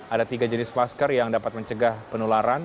ada tiga jenis masker yang dapat mencegah penularan